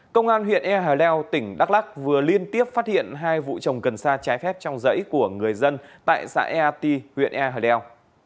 công an huyện e hà lèo tỉnh đắk lắc vừa liên tiếp phát hiện hai vụ chồng cần xa trái phép trong giấy của người dân tại xã eat huyện e hà lèo